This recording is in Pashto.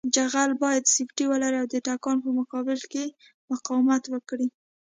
جغل باید سفتي ولري او د تکان په مقابل کې مقاومت وکړي